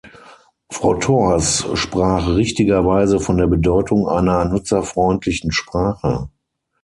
Frau Thors sprach richtigerweise von der Bedeutung einer nutzerfreundlichen Sprache.